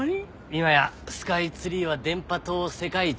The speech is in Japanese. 今やスカイツリーは電波塔世界一。